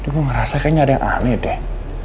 gue merasa kayaknya ada yang aneh deh